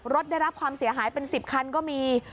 ได้รับความเสียหายเป็น๑๐คันก็มี